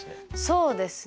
そうですね